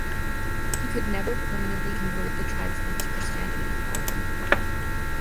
He could never permanently convert the tribesmen to Christianity, however.